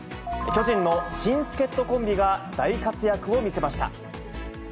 巨人の新助っ人コンビが大活躍を見せました。